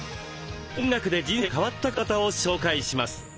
音楽で人生が変わった方々を紹介します。